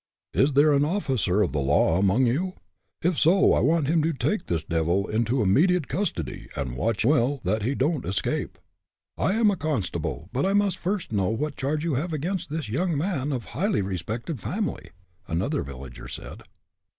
Is there an officer of the law among you? If so, I want him to take this devil into immediate custody, and watch well that he don't escape." "I am a constable, but I must first know what charge you have against this young man of highly respected family," another villager said.